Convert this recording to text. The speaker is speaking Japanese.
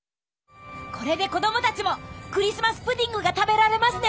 これで子供たちもクリスマス・プディングが食べられますね。